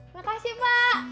terima kasih pak